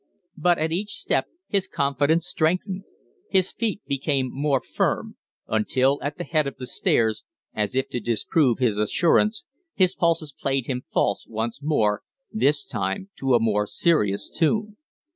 But at each step his confidence strengthened, his feet became more firm; until, at the head of the stairs, as if to disprove his assurance, his pulses played him false once more, this time to a more serious tune.